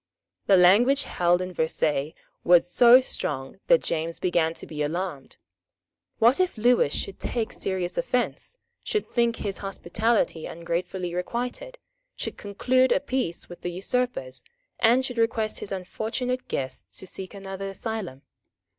The language held at Versailles was so strong that James began to be alarmed. What if Lewis should take serious offence, should think his hospitality ungratefully requited, should conclude a peace with the usurpers, and should request his unfortunate guests to seek another asylum?